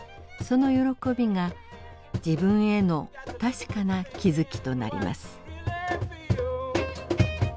その喜びが自分への確かな気づきとなります。